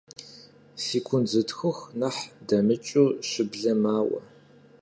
Секунд зытхух нэхъ дэмыкӀыу щыблэ мауэ.